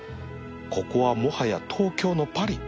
ここはもはや東京のパリ